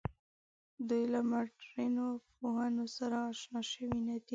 دوی له مډرنو پوهنو سره آشنا شوې نه ده.